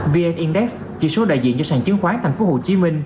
vn index chỉ số đại diện cho sàn chứng khoán tp hcm